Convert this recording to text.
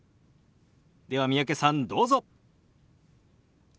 では三宅さんどうぞ。